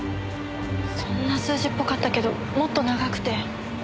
そんな数字っぽかったけどもっと長くて。